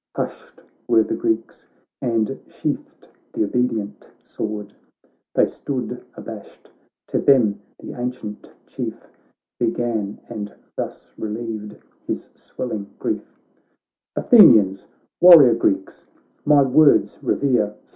Hushed were the Greeks, and sheathed the obedient sword ; They stood abashed — to them the ancient Chief Began, and thus relieved his swelling grief: ' Athenians I warrior Greeks ! my words revere